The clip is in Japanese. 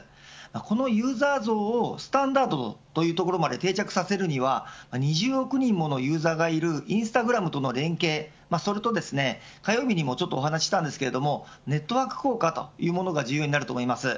このユーザー像をスタンダードというところまで定着させるには２０億人ものユーザーがいるインスタグラムとの連携をすると火曜日にもお話したんですがネットワーク効果というものが重要になると思います。